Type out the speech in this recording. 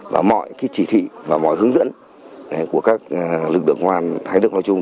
và mọi chỉ thị và mọi hướng dẫn của các lực lượng công an hay được nói chung